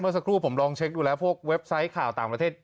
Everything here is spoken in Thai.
สักครู่ผมลองเช็คดูแล้วพวกเว็บไซต์ข่าวต่างประเทศ